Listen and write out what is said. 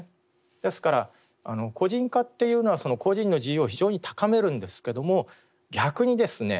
ですから個人化っていうのは個人の自由を非常に高めるんですけども逆にですね